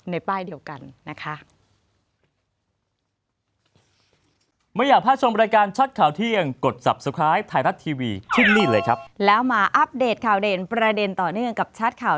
ในป้ายเดียวกันนะคะ